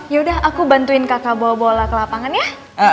yaudah aku bantuin kakak bawa bola ke lapangan ya